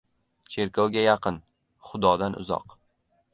• Cherkovga yaqin, xudodan uzoq.